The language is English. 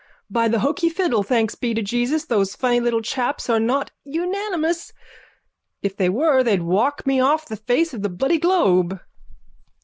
By the hoky fiddle, thanks be to Jesus those funny little chaps are not unanimous. If they were they'd walk me off the face of the bloody globe.